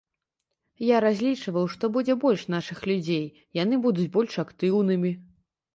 Я разлічваў, што будзе больш нашых людзей, яны будуць больш актыўнымі.